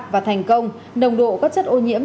và thành công nồng độ các chất ô nhiễm